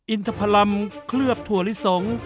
อินทพลัมเคลือบถั่วลิสง